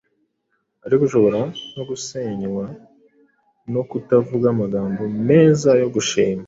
ariko ushobora no gusenywa no kutavuga amagambo meza yo gushima